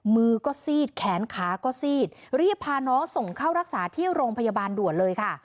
มือก็ซีดแขนขาก็ซีดรีบพาน้องส่งเข้ารักษาที่โรงพยาบาลด่วนเลยค่ะ